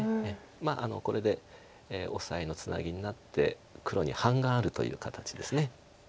まあこれでオサエのツナギになって黒に半眼あるという形です。